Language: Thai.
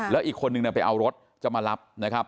แล้วอีกคนนึงไปเอารถจะมารับนะครับ